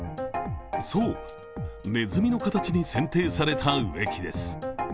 そう、ねずみの形に剪定された植木です。